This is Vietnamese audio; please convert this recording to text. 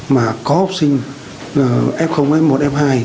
mà có học sinh f f một f hai